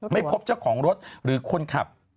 ไม่พบเจ้าของรถหรือคนขับ